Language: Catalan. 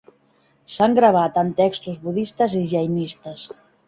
S'han gravat en textos budistes i jainistes.